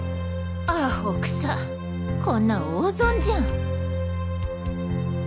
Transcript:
アホくさこんなん大損じゃん。